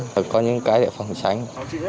và có những cái để phòng tranh